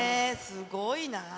すごいな。